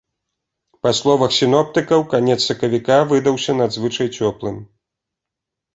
Па словах сіноптыкаў, канец сакавіка выдаўся надзвычай цёплым.